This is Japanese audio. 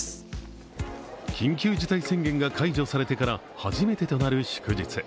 緊急事態宣言が解除されてから初めてとなる祝日。